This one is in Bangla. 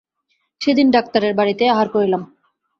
সেদিন ডাক্তারের বাড়িতেই আহার করিলাম।